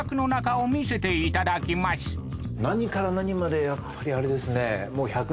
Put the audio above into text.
何から何までやっぱりあれですね。